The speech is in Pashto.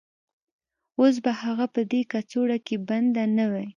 اوس به هغه په دې کڅوړه کې بنده نه وای